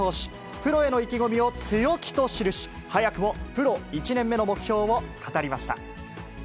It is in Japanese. プロへの意気込みを強気と記し、早くもプロ１年目の目標を語りました。